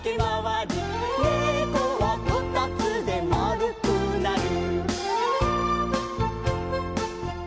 「ねこはこたつでまるくなる」